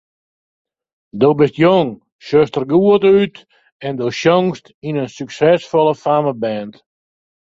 Do bist jong, sjochst der goed út en do sjongst yn in suksesfolle fammeband.